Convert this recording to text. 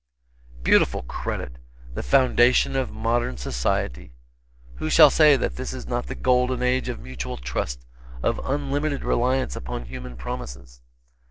Beautiful credit! The foundation of modern society. Who shall say that this is not the golden age of mutual trust, of unlimited reliance upon human promises?